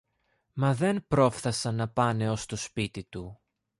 Μα δεν πρόφθασαν να πάνε ως το σπίτι του